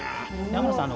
天野さん